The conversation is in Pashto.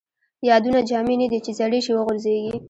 یادونه جامې نه دي ،چې زړې شي وغورځيږي